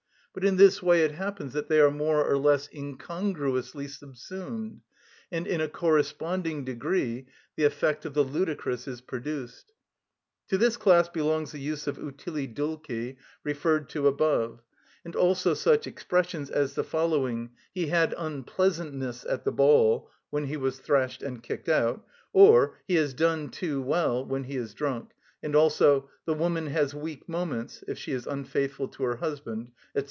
But in this way it happens that they are more or less incongruously subsumed, and in a corresponding degree the effect of the ludicrous is produced. To this class belongs the use of utile dulci referred to above, and also such expressions as the following: "He had unpleasantness at the ball" when he was thrashed and kicked out; or, "He has done too well" when he is drunk; and also, "The woman has weak moments" if she is unfaithful to her husband, &c.